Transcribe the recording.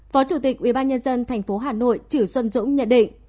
phó chủ tịch ubnd tp hà nội chử xuân dũng nhận định